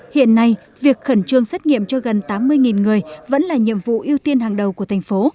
hiện nay việc khẩn trương xét nghiệm cho gần tám mươi người vẫn là nhiệm vụ ưu tiên hàng đầu của thành phố